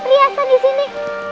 priasan di sini